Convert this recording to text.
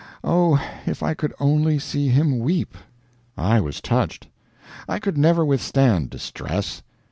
Oh, if I could only see him weep!" I was touched. I could never withstand distress.